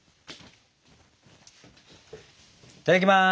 いただきます。